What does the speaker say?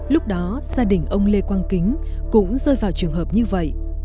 lúc đó gia đình ông lê quang kính cũng rơi vào trường hợp như vậy